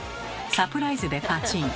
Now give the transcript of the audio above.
サプライズでパチン。